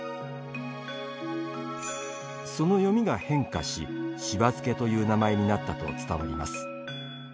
その読みが変化し「しば漬け」という名前になったと伝わります。